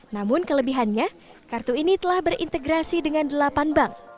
namun kelebihannya kartu ini telah berintegrasi dengan delapan bank